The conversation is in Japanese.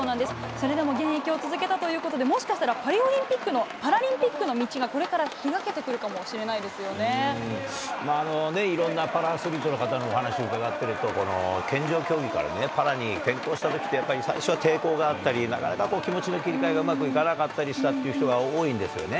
それでも現役を続けたということで、もしかしたら、パリパラリンピックの道が、これから開けてくるかもしれないいろんなパラアスリートの方のお話を伺っていると、健常競技からね、パラに転向したときって、最初は抵抗があったり、なかなか気持ちの切り替えがうまくいかなかったりしたっていう人が多いんですよね。